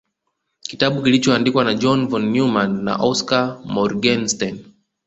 Kitabu kilichoandikwa na John von Neumann na Oskar Morgenstern